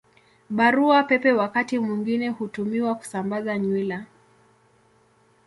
Barua Pepe wakati mwingine hutumiwa kusambaza nywila.